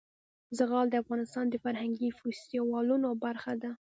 زغال د افغانستان د فرهنګي فستیوالونو برخه ده.